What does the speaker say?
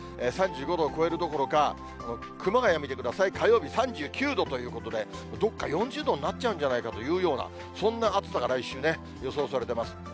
３５度を超えるどころか熊谷見てください、火曜日３９度ということで、どっか４０度になっちゃうんじゃないかというようなそんな暑さが来週ね、予想されてます。